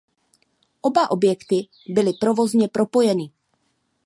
Oba objekty byly provozně propojeny.